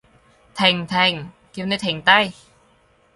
停！停！叫你停低！